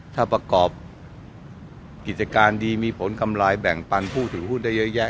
ถ้าประกอบกิจการดีมีผลกำไรแบ่งปันผู้ถือหุ้นได้เยอะแยะ